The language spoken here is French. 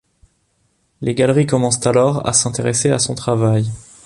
Les galeries commencent alors à s'intéresser à son travail.